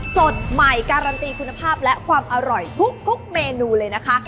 สดใหม่การันตีคุณภาพและความอร่อยทุกเมนูเลยนะคะ